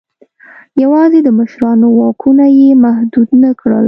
یوازې د مشرانو واکونه یې محدود نه کړل.